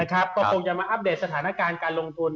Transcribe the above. ก็คงจะมาอัปเดตสถานการณ์การลงทุน